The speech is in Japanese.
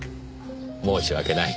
申し訳ない。